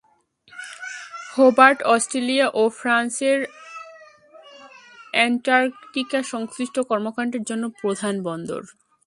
Hobart Australia ও ফ্রান্সের অ্যান্টার্কটিকা-সংশ্লিষ্ট কর্মকাণ্ডের জন্য প্রধান বন্দর।